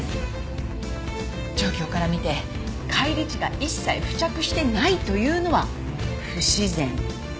状況から見て返り血が一切付着してないというのは不自然。